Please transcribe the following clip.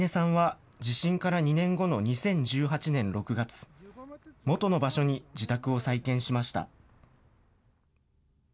小嶺さんは地震から２年後の２０１８年６月、元の場所に自宅を再建しました。